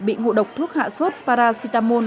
bị ngộ độc thuốc hạ sốt paracetamol